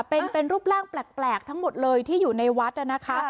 เป็นเป็นรูปร่างแปลกแปลกทั้งหมดเลยที่อยู่ในวัดอ่ะนะคะค่ะ